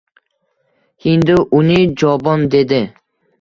Hindu uni «jobon» dedi